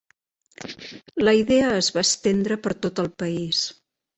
La idea es va estendre per tot el país.